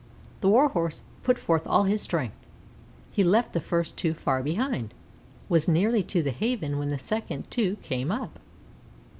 The Warhorse put forth all his strength. He left the first two far behind was nearly to the Haven when the second two came up.